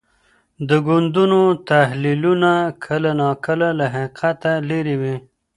د ګوندونو تحلیلونه کله ناکله له حقیقته لرې وي.